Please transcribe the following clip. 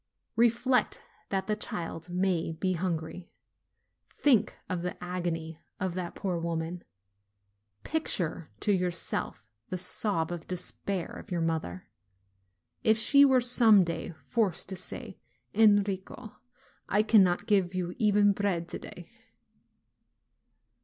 Reflect that the child may be hungry; think of the agony of that poor woman. Picture to yourself the sob of despair of your mother, if she were some day forced to say, "Enrico, I cannot give you even bread to day